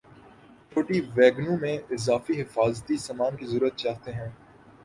چھوٹی ویگنوں میں اضافی حفاظتی سامان کی ضرورت چاہتے ہیں